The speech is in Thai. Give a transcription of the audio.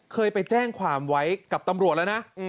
เคยไปแจ้งความไว้กับตำรวจแล้วนะ